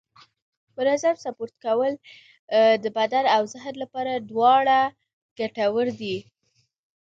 منظم سپورت کول د بدن او ذهن لپاره دواړه ګټور دي